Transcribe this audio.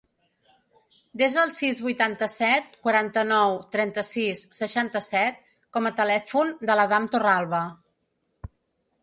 Desa el sis, vuitanta-set, quaranta-nou, trenta-sis, seixanta-set com a telèfon de l'Adam Torralba.